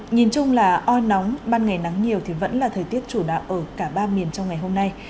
nhìn chung là oi nóng ban ngày nắng nhiều thì vẫn là thời tiết chủ đạo ở cả ba miền trong ngày hôm nay